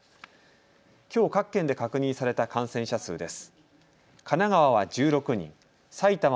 きょう各県で確認された感染者数です。